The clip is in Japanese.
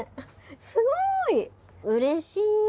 すごいうれしい！